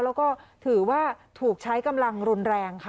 แล้วก็ถือว่าถูกใช้กำลังรุนแรงค่ะ